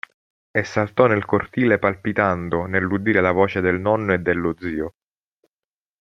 E saltò nel cortile palpitando nell'udire la voce del nonno e dello zio.